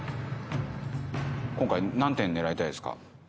今回何点狙いたいですか？